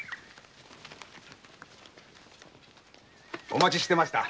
お待ちしてました。